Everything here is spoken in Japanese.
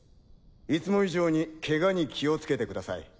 いつも以上にケガに気をつけてください。